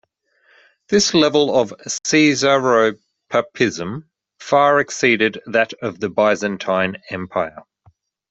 This level of caesaropapism far exceeded that of the Byzantine Empire.